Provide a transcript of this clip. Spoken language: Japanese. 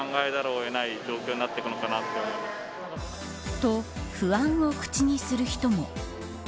と、不安を口にする人も。